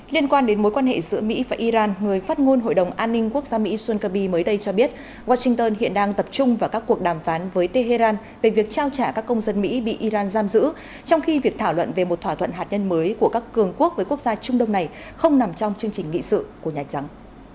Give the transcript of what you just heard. liên quan đến mối quan hệ giữa mỹ và iran người phát ngôn hội đồng an ninh quốc gia mỹ sun kabi mới đây cho biết washington hiện đang tập trung vào các cuộc đàm phán với tehran về việc trao trả các công dân mỹ bị iran giam giữ trong khi việc thảo luận về một thỏa thuận hạt nhân mới của các cường quốc với quốc gia trung đông này không nằm trong chương trình nghị sự của nhà trắng